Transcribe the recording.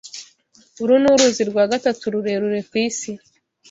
Uru ni uruzi rwa gatatu rurerure ku isi.